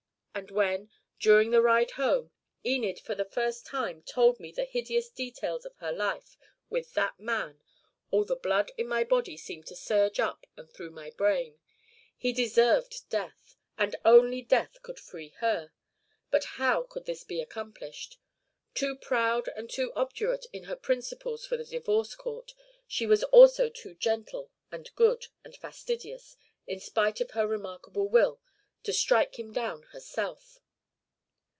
And when, during the ride home, Enid for the first time told me the hideous details of her life with that man all the blood in my body seemed to surge up and through my brain. He deserved death, and only death could free her. But how could this be accomplished? Too proud and too obdurate in her principles for the divorce court, she was also too gentle and good and fastidious, in spite of her remarkable will, to strike him down herself.